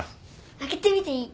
開けてみていい？